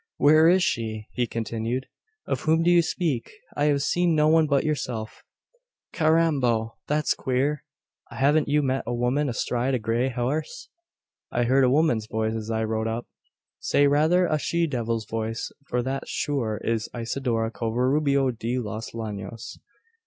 "Where is she?" he continued. "Of whom do you speak? I have seen no one but yourself." "Carrambo! that's queer. Haven't you met a woman astride a grey horse?" "I heard a woman's voice, as I rode up." "Say rather a she devil's voice: for that, sure, is Isidora Covarubio de los Llanos."